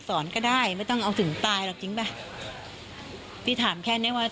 ก็ได้ไม่ต้องเอาถึงตายหรอกจริงป่ะพี่ถามแค่เนี้ยว่า